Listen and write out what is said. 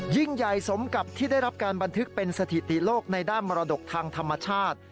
ยิ่งใหญ่สมกับที่ได้รับการบันทึกเป็นสถิติโลกในด้านมรดกทางธรรมชาติ